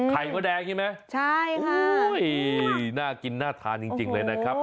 ไข่มดแดงใช่ไหมอุ้ยน่ากินน่าทานจริงเลยนะครับอุ้ย